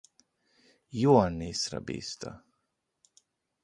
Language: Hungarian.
Ióannészra bízta.